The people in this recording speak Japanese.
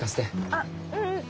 あっううん。